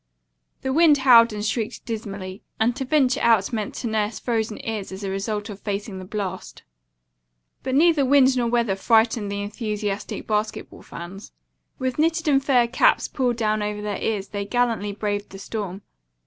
The wind howled and shrieked dismally, and to venture out meant to nurse frozen ears as a result of facing the blast. But neither wind nor weather frightened the enthusiastic basketball fans. With knitted and fur caps pulled down over their ears they gallantly braved the storm.